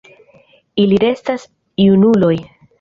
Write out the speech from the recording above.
Ili restas junuloj.